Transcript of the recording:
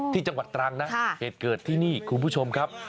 จังหวัดตรังนะเหตุเกิดที่นี่คุณผู้ชมครับ